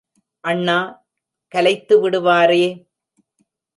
அண்ணா கலைத்து விடுவாரே!